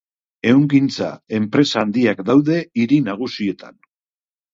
Ehungintza-enpresa handiak daude hiri nagusietan.